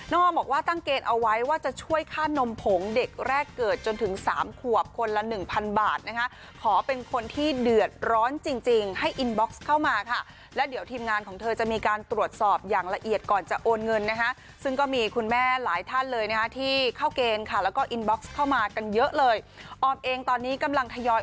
น้องออมบอกว่าตั้งเกณฑ์เอาไว้ว่าจะช่วยค่านมผงเด็กแรกเกิดจนถึง๓ขวบคนละ๑๐๐๐บาทนะฮะขอเป็นคนที่เดือดร้อนจริงให้อินบ็อกซ์เข้ามาค่ะแล้วเดี๋ยวทีมงานของเธอจะมีการตรวจสอบอย่างละเอียดก่อนจะโอนเงินนะฮะซึ่งก็มีคุณแม่หลายท่านเลยนะฮะที่เข้าเกณฑ์ค่ะแล้วก็อินบ็อกซ์เข้ามากัน